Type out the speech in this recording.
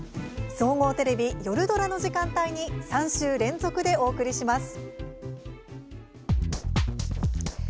総合テレビ「夜ドラ」の時間帯に３週連続でお送りします。